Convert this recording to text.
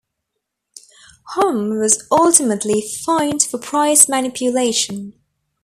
Homm was ultimately fined for price manipulation.